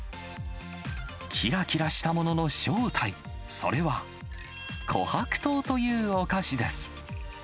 きらきらしたものの正体、それは、こはく糖というお菓子です。